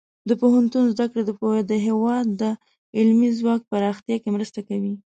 د پوهنتون زده کړې د هیواد د علمي ځواک پراختیا کې مرسته کوي.